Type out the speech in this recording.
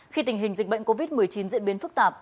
khi tình hình dịch bệnh covid một mươi chín diễn biến phức tạp